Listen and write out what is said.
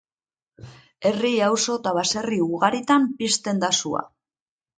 Herri, auzo eta baserri ugaritan pizten da sua.